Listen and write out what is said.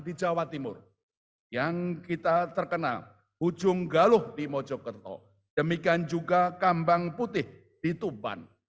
di jawa timur yang kita terkena ujung galuh di mojokerto demikian juga kambang putih di tuban